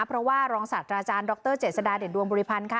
เพราะว่ารองศาสตราจารย์ดรเจษฎาเด่นดวงบริพันธ์ค่ะ